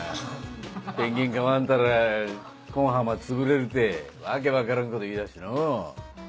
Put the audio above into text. ペンギン飼わんとこん浜つぶれるて訳分からんこと言いだしてのう。